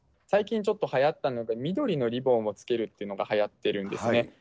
最近ちょっとはやったんで、緑のリボンをつけるというのがはやってるんですね。